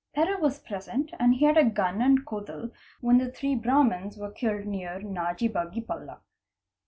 Pera was present and he had a gun and kodle when the three Brahmans were killed near Naji Bhagi — Pala.